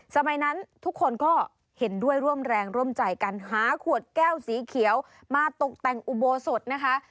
สมัยนั้นทุกคนก็เห็นด้วยร่วมแรงร่วมใจกันหาขวดแก้วสีเขียวมาตกแต่งอุโบสถนะคะ